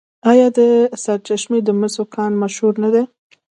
آیا د سرچشمې د مسو کان مشهور نه دی؟